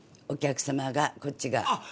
お客さまがこっちが。